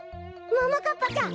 ももかっぱちゃん。